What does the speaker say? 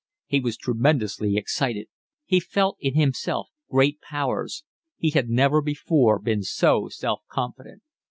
He was tremendously excited. He felt in himself great powers. He had never before been so self confident.